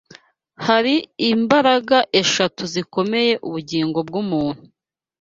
Hari imbaraga eshatu zikomeye ubugingo bw’umuntu